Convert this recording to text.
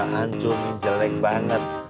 hancur ini jelek banget